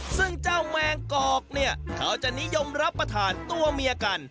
ซึ่งเจ้าแมงกอกเนี่ยเขาจะนิยมรับประทานตัวเมียกัน